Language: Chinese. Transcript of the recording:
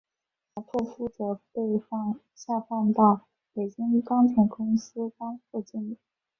贾拓夫则被下放到北京钢铁公司当副经理。